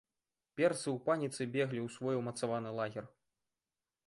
Персы ў паніцы беглі ў свой умацаваны лагер.